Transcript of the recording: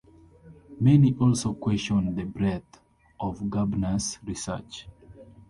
Many also question the breadth of Gerbner's research.